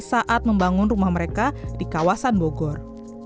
saat membangun rumah mereka di kawasan bogor